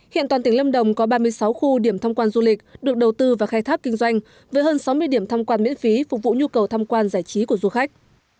hiện toàn tỉnh lâm đồng có ba mươi sáu khu điểm thăm quan du lịch được đầu tư và khai thác kinh doanh với hơn sáu mươi điểm thăm quan miễn phí phục vụ nhu cầu tham quan giải trí của du khách